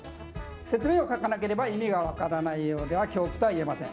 説明を書かなければ意味が分からないようでは狂句とは言えません。